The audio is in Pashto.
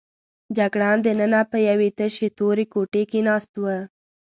جګړن دننه په یوې تشې تورې کوټې کې ناست و.